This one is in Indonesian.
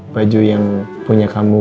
baju yang punya kamu